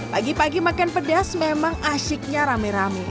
pagi pagi makan pedas memang asyiknya rame rame